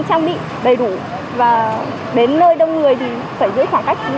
cả nhân em thì em trang bị đầy đủ và đến nơi đông người thì phải giữ khó khăn